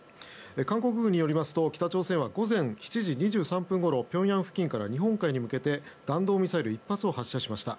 韓国軍によりますと北朝鮮は午前７時２３分ごろ平壌付近から日本海に向けて弾道ミサイル１発を発射しました。